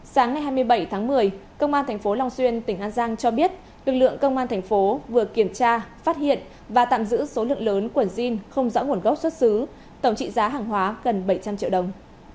sáng ngày hai mươi bảy tháng một mươi công an tp long xuyên tỉnh an giang cho biết lực lượng công an thành phố vừa kiểm tra phát hiện và tạm giữ số lượng lớn quần jean không rõ nguồn gốc xuất xứ tổng trị giá hàng hóa gần bảy trăm linh triệu đồng